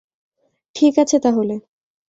ঠিক আছে, তাহলে।